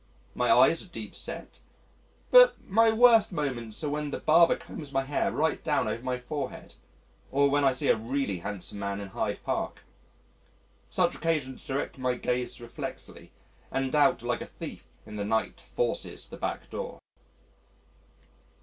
My eyes are deep set ... but my worst moments are when the barber combs my hair right down over my forehead, or when I see a really handsome man in Hyde Park. Such occasions direct my gaze reflexly, and doubt like a thief in the night forces the back door!